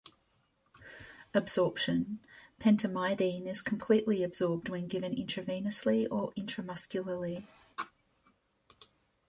Absorption: Pentamidine is completely absorbed when given intravenously or intramuscularly.